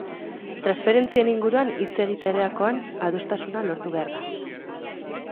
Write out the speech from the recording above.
Transferentzien inguruan hitz egiterakoan adostasuna lortu behar da.